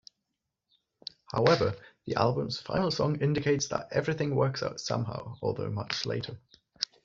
However, the album's final song indicates that everything works out somehow, although much later.